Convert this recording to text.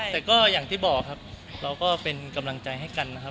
แต่ก็อย่างที่บอกครับเราก็เป็นกำลังใจให้กันนะครับ